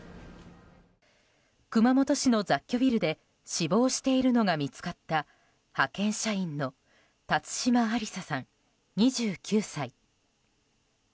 熊本市の雑居ビルで死亡しているのが見つかった派遣社員の辰島ありささん、２９歳。